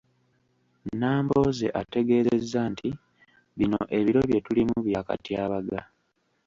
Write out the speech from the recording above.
Nambooze ategeezezza nti bino ebiro bye tulimu bya katyabaga.